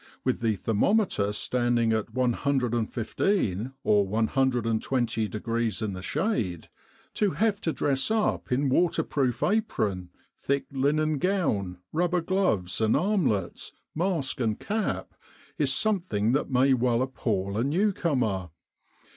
With the thermometer standing at 115 or 1 20 degrees in the shade, to have to dress up in waterproof apron, thick linen gown, rubber gloves and armlets, mask and cap, is something that may well appal a newcomer.